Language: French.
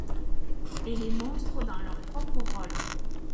Et les monstres dans leur propre rôle.